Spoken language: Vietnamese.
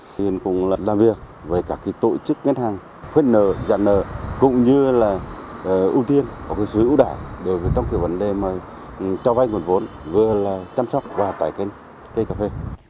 huyện cũng làm việc với các tổ chức ngân hàng khuyết nợ giả nợ cũng như là ưu tiên sử dụng ưu đại đối với vấn đề cho vay nguồn vốn vừa là chăm sóc và tải kênh cây cà phê